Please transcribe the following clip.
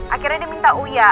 akhirnya dia minta uya